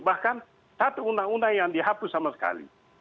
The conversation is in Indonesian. bahkan satu undang undang yang dihapus sama sekali